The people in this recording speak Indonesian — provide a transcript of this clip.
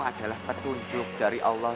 adalah petunjuk dari allah